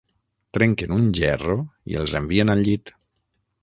Trenquen un gerro i els envien al llit.